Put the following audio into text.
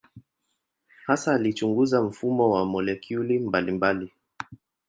Hasa alichunguza mfumo wa molekuli mbalimbali.